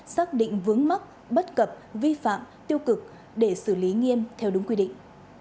xác định vướng mắc bất cập vi phạm tiêu cực để xử lý nghiêm theo đúng quy định